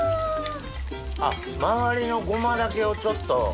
あっ周りのごまだけをちょっと。